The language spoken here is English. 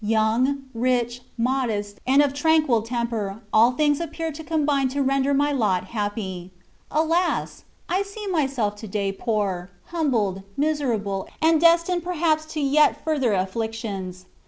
Young, rich, modest, and of tranquil temper, all things appeared to combine to render my lot happy. Alas! I see myself to day poor, humbled, miserable, and destined perhaps to yet further afflictions.